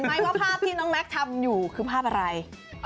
ไหมว่าภาพที่น้องแม็กซ์ทำอยู่คือภาพอะไร